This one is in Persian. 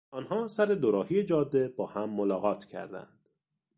آنها سر دوراهی جاده با هم ملاقات کردند.